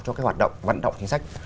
cho cái hoạt động vận động chính sách